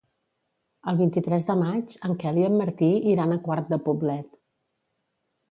El vint-i-tres de maig en Quel i en Martí iran a Quart de Poblet.